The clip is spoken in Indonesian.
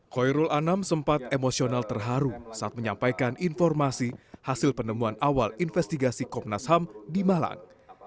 khoirul anam sempat emosional terharu saat menyampaikan informasi hasil penemuan awal investigasi komnas ham di malang